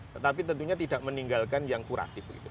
tetapi tentunya tidak meninggalkan yang kuratif